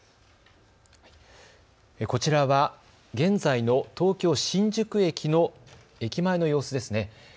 こちらは現在の東京新宿駅の駅前の様子ですね。